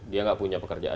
dia gak punya pekerjaan